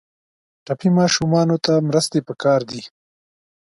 ټپي ماشومانو ته مرستې پکار دي.